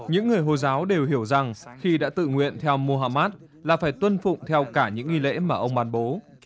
những người hồi giáo đều hiểu rằng khi đã tự nguyện theo muhammad là phải tuân phụng theo cả những nghi lễ mà ông bán bố